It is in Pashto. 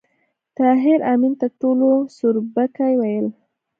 طاهر آمین ته ټولو سوربګی ویل